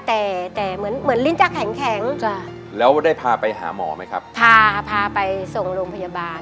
แต่แต่เหมือนเหมือนลิ้นจะแข็งแข็งแล้วได้พาไปหาหมอไหมครับพาพาไปส่งโรงพยาบาล